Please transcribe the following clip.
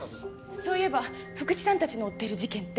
そういえば福知さんたちの追っている事件って？